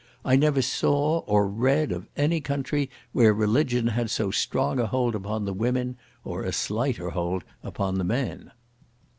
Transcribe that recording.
I never saw, or read, of any country where religion had so strong a hold upon the women, or a slighter hold upon the men.